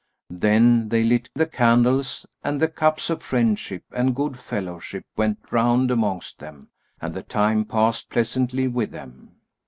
Then they lit the candles, and the cups of friendship and good fellowship went round amongst them and the time passed pleasantly with them.